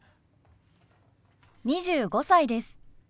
２５歳です。